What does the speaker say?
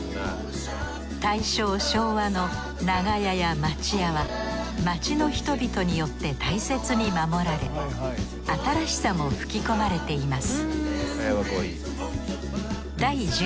大正・昭和の長屋や町家は街の人々によって大切に守られ新しさも吹き込まれています